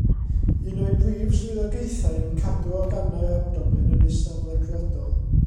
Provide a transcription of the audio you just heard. Un o'i brif swyddogaethau yw cadw organau'r abdomen yn eu safle priodol.